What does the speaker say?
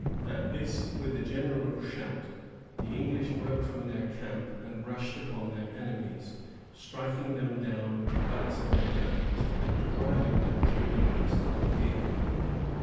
At this, with a general shout, the English broke from their camp, and rushed upon their enemies, striking them down with the buts of their guns, and driving them through the woods like deer.